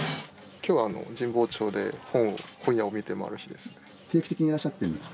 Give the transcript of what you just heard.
きょうは神保町で本を、本屋を見て回る日です。